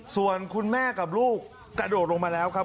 ส่วนคุณแม่กับลูกกระโดดลงมาแล้วครับ